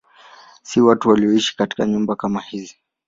Si watu wote walioishi katika nyumba kama hizi.